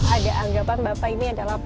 ada anggapan bapak ini adalah